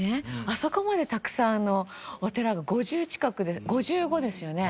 あそこまでたくさんのお寺が５０近く５５ですよね？